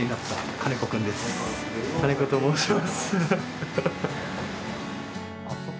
金子と申します。